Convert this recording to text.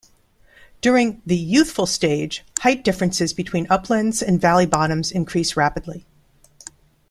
During the "youthful" stage height differences between uplands and valley bottoms increase rapidly.